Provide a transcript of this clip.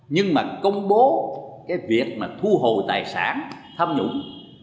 nhưng mà công bố cái việc mà thu hồ tài sản thâm nhũng